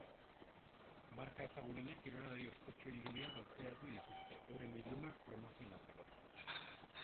Marka ezagunenek kirolari ospetsuen irudiak aukeratu dituzte euren bildumak promozionatzeko.